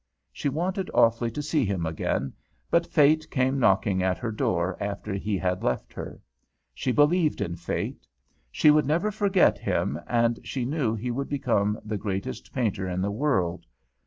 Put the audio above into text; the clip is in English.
She wanted awfully to see him again, but Fate came knocking at her door after he had left her. She believed in Fate. She would never forget him, and she knew he would become the greatest painter in the world.